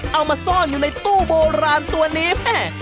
เอามาซ่อนในตู้โบราณตัวนี้